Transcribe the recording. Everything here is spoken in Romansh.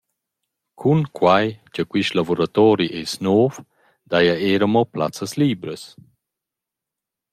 Cun quai cha quist lavuratori es nouv, daja eir amo plazzas libras.